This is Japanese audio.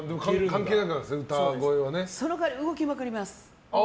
その代わり動きまくります。